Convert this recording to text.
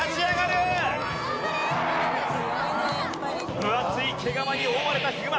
分厚い毛皮に覆われたヒグマ。